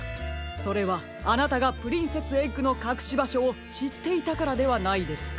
それはあなたがプリンセスエッグのかくしばしょをしっていたからではないですか？